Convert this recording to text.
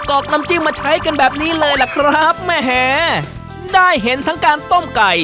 อกน้ำจิ้มมาใช้กันแบบนี้เลยล่ะครับแหมได้เห็นทั้งการต้มไก่